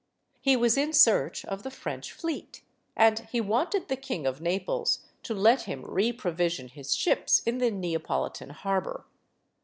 He was in search of the French fleet, and he wanted the King of Naples to let him reprovision his ships in the Neapolitan harbor.